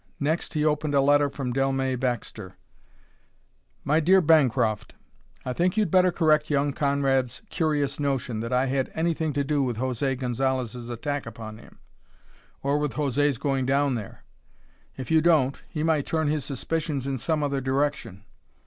Next he opened a letter from Dellmey Baxter: "MY DEAR BANCROFT: I think you'd better correct young Conrad's curious notion that I had anything to do with José Gonzalez's attack upon him, or with José's going down there. If you don't he might turn his suspicions in some other direction.